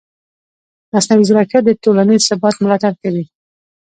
مصنوعي ځیرکتیا د ټولنیز ثبات ملاتړ کوي.